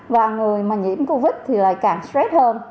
và người mà nhiễm covid thì lại càng stress hơn